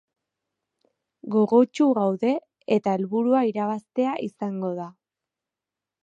Gogotsu gaude eta helburua irabaztea izango da.